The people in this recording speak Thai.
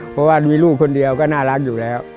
เพราะว่ามีลูกคนเดียวก็น่ารักอยู่แล้ว